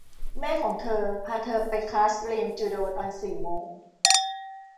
แม่ของเธอพาเธอไปคลาสเรียนจูโดตอนสี่โมง